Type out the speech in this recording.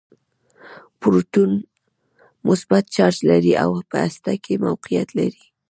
پروټون مثبت چارچ لري او په هسته کې موقعیت لري.